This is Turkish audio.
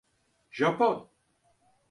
Japon…